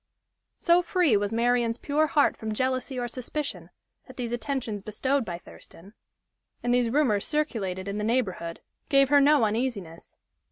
So free was Marian's pure heart from jealousy or suspicion that these attentions bestowed by Thurston, and these rumors circulated in the neighborhood, gave her no uneasiness.